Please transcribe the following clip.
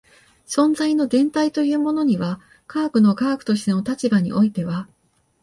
存在の全体というものには科学の科学としての立場においては